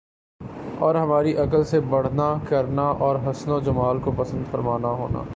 اور ہماری عقل سے بڑھنا کرنا اور حسن و جمال کو پسند فرمانا ہونا